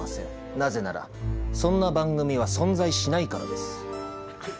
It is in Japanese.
なぜならそんな番組は存在しないからです。